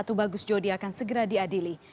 tubagus jodi akan segera diadili